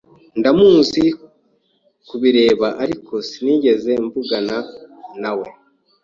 Ndamuzi kubireba, ariko sinigeze mvugana nawe.